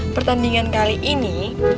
pertandingan kali ini